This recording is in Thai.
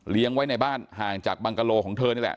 ไว้ในบ้านห่างจากบังกะโลของเธอนี่แหละ